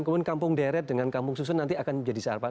kemudian kampung deret dengan kampung susun nanti akan jadi siapa